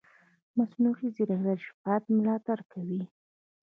مصنوعي ځیرکتیا د شفافیت ملاتړ کوي.